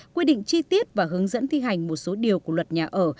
quy định chi tiết và hướng dẫn thi hành một số điều của luật nhà ở